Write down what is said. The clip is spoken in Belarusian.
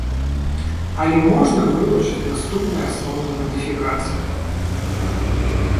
Але можна вылучыць наступныя асноўныя мадыфікацыі.